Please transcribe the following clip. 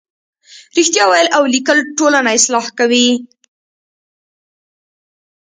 رښتیا ویل او لیکل ټولنه اصلاح کوي.